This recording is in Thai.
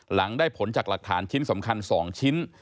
หลังได้ผลจากหลักฐานชิ้นสำคัญ๒ชิ้น